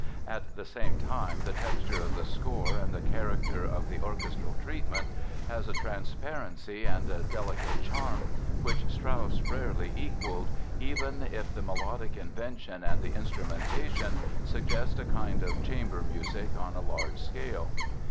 At the same time the texture of the score and the character of the orchestral treatment has a transparency and a delicate charm which Strauss rarely equalled, even if the melodic invention and the instrumentation suggest a kind of chamber music on a large scale.